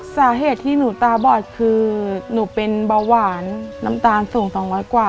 สาเหตุที่หนูตาบอดคือหนูเป็นเบาหวานน้ำตาลสูง๒๐๐กว่า